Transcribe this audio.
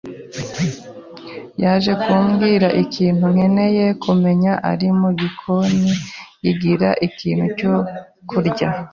yaje kumbwira ikintu nkeneye kumenya. ari mu gikoni yigira ikintu cyo kurya.